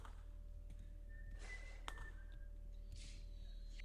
To je odpovědností Evropské unie.